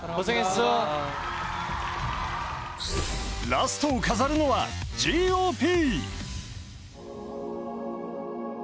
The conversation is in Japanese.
ラストを飾るのはＧ．Ｏ．Ｐ。